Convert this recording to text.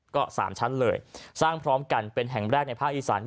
ก็๓ชั้นเลยสร้างพร้อมกันเป็นแห่งแรกในภาคอีสาน